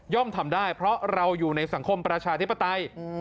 ทำได้เพราะเราอยู่ในสังคมประชาธิปไตย